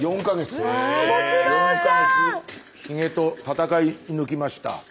４か月ひげと闘い抜きました。